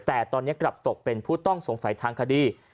แต่ตอนนี้กลับตกเป็นผู้ต้องสงสัยทางคดี